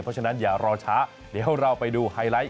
เพราะฉะนั้นอย่ารอช้าเดี๋ยวเราไปดูไฮไลท์